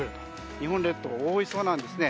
日本列島を覆いそうなんです。